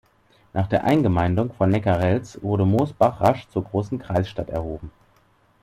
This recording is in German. Nach der Eingemeindung von Neckarelz wurde Mosbach rasch zur Großen Kreisstadt erhoben.